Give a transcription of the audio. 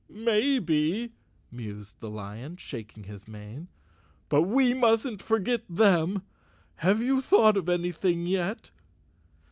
" Maybe," mused the lion, shaking his mane, " but we mustn't forget them. Have you thought of anything yet?"